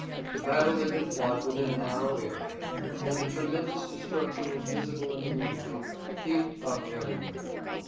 The battle had been fought within a narrow area, and the tremendous destruction was visible in the moonlight, heaped up everywhere.